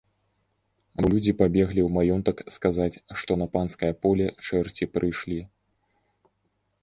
Бо людзі пабеглі ў маёнтак сказаць, што на панскае поле чэрці прыйшлі.